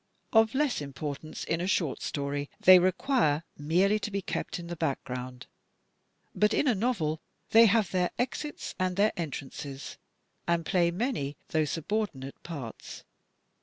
Of less importance in a short story, they require merely to be kept in the background; but in a novel, they have their exits and their entrances, and play many, though subordinate parts.